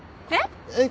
えっ？